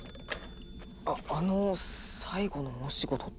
ああの最後の大仕事って？